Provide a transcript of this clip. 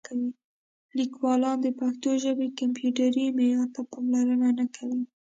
لیکوالان د پښتو ژبې کمپیوټري معیار ته پاملرنه نه کوي.